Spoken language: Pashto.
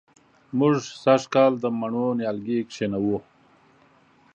موږ سږ کال د مڼو نیالګي کېنوو